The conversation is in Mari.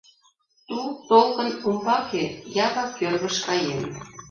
Тул толкын умбаке, Ява кӧргыш каен.